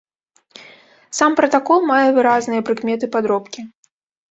Сам пратакол мае выразныя прыкметы падробкі.